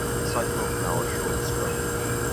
The siphonal canal is short and straight.